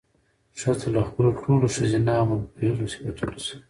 ښځه له خپلو ټولو ښځينه او منفعلو صفتونو سره